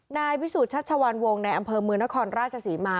นายวิสูจน์ชาชวานวงในอำเภอเมืองณครราชศรีมา